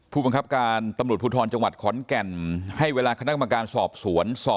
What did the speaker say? ผู้บังคับการตำรวจภูทรจังหวัดขอนแก่นให้เวลาคณะกรรมการสอบสวน